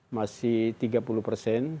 masih tiga puluh persen